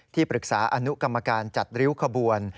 ที่ปรึกษาอนุกรรมการจัดริ้วขบวน